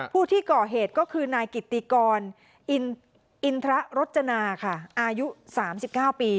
ผู้ที่ก่อเหตุก็คือนายกิติกรอินทระรจนาค่ะอายุ๓๙ปี